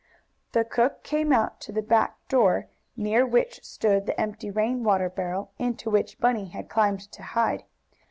The cook came out to the back door, near which stood the empty rain water barrel, into which Bunny had climbed to hide.